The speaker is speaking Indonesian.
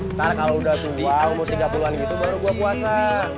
ntar kalau udah tua umur tiga puluh an gitu baru gue puasa